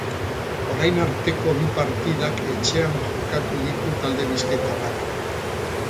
Orain arteko bi partidak etxean jokatu ditu talde bizkaitarrak.